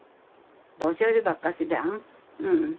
年寄りばっかしじゃんうんね。